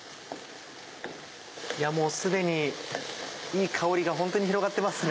もう既にいい香りがホントに広がってますね。